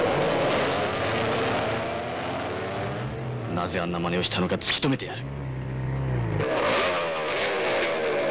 なぜあんなまねをしたのか突き止めてやる！